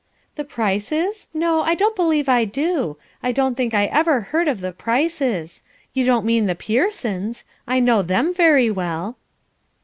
"The Prices? No, I don't believe I do I don't think I ever heard of the Prices. You don't mean the Pearsons? I know them very well."